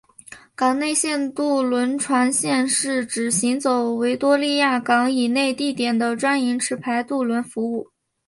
港内线渡轮航线是指行走维多利亚港以内地点的专营持牌渡轮服务。